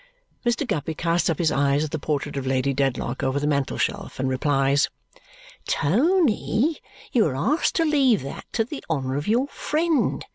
Mr. Guppy casts up his eyes at the portrait of Lady Dedlock over the mantelshelf and replies, "Tony, you are asked to leave that to the honour of your friend.